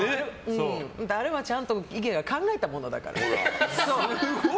あれは、ちゃんとＩＫＥＡが考えたものだから。